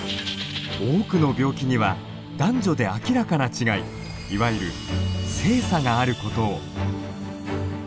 多くの病気には男女で明らかな違いいわゆる性差があることを。